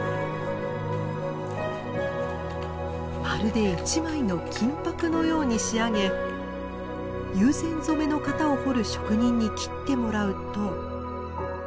まるで一枚の金箔のように仕上げ友禅染の型を彫る職人に切ってもらうと。